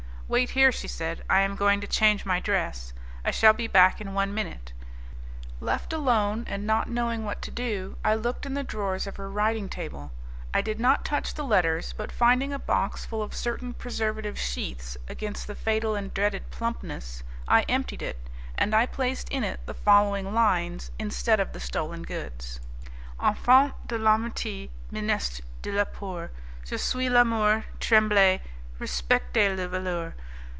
"Wait here," she said, "I am going to change my dress. I shall be back in one minute." Left alone, and not knowing what to do, I looked in the drawers of her writing table. I did not touch the letters, but finding a box full of certain preservative sheaths against the fatal and dreaded plumpness, I emptied it, and I placed in it the following lines instead of the stolen goods: 'Enfants de L'Amitie, ministres de la Peur, Je suis l'Amour, tremblez, respectez le voleur!